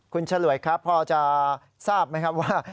คุณฉลวยครับพอจะทราบไหมครับว่า